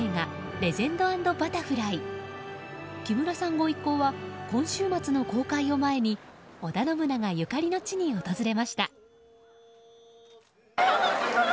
御一行は今週末の公開を前に織田信長ゆかりの地に訪れました。